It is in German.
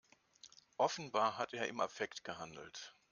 Offenbar hat er im Affekt gehandelt.